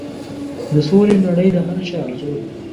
د سولې نړۍ د هر چا ارزو ده.